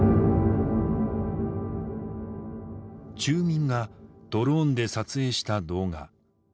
住民がドローンで撮影した動画。